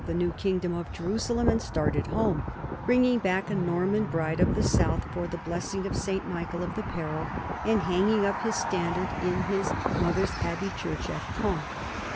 THE NORMANS IN THE SOUTH 213 the new kingdom of Jerusalem and started home, bring ing back a Norman bride of the south for the blessing of St. Michael of the Peril, and hanging up his standard in his mother's abbey church at Caen.